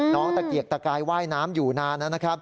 น้องตะเกียกตะกายว่ายน้ำอยู่นาน